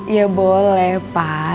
ya boleh pak